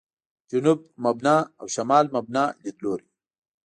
«جنوب مبنا» او «شمال مبنا» لیدلوري.